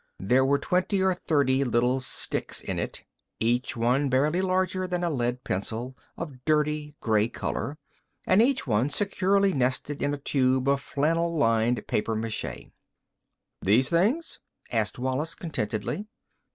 There were twenty or thirty little sticks in it, each one barely larger than a lead pencil, of dirty gray color, and each one securely nested in a tube of flannel lined papier mache. "These things?" asked Wallis contentedly.